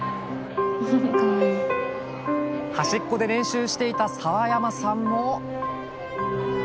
端っこで練習していた澤山さんも。